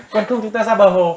còn không chúng ta ra bờ hồ